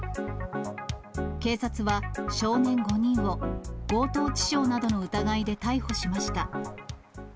警察は、少年５人を強盗致傷などの疑いで逮捕しました。